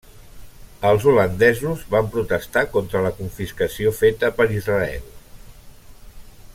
Els holandesos van protestar contra la confiscació feta per Israel.